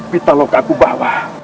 pitaloka aku membawa